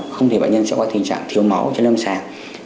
không thể bệnh nhân sẽ có tình trạng thiếu máu trên âm sàng